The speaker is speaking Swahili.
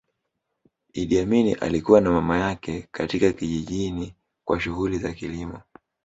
Idi Amin alikua na mama yake katika kijijini kwa shughuli za kilimo